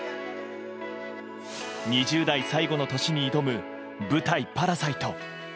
２０代最後の年に挑む舞台「パラサイト」。